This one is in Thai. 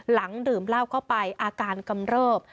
หลังดื่มเหล้าก็ไปอาการกำเริบ